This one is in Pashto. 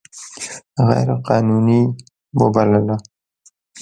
غیر قانوني وبلله.